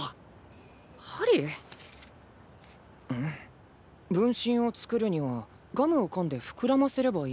分身を作るにはガムをかんで膨らませればいいのか。